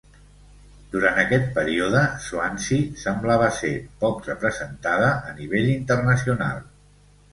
Durant aquest període, Swansea semblava ser poc representada a nivell internacional.